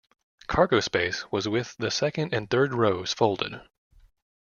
Cargo space was with the second and third rows folded.